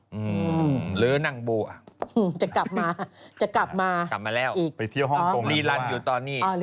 หรือนั่งบัวจะกลับมาจะกลับมาอีกไปเที่ยวห้องกงลีรันด์อยู่ตอนนี้